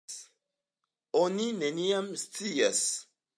Oni neniam scias.